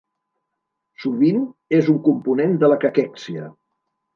Sovint és un component de la caquèxia.